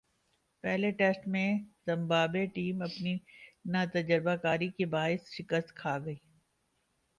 پہلے ٹیسٹ میں Zimbabwe team اپنی ناتجربہ کاری کے باعث شکست کھاگئی ۔